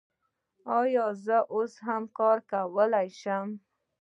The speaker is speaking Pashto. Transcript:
ایا زه اوس کار کولی شم؟